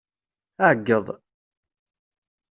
Ɛeggeḍ!